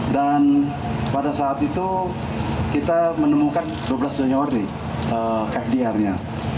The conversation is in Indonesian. dan pada saat itu kita menemukan dua belas januari kfdr nya